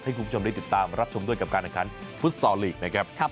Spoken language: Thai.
คุณผู้ชมได้ติดตามรับชมด้วยกับการแข่งขันฟุตซอลลีกนะครับ